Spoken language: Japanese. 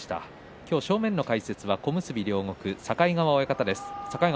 今日、正面の解説は小結両国の境川親方です。